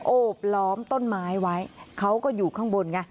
โอบล้อมต้นไม้ไว้เขาก็อยู่ข้างบนไง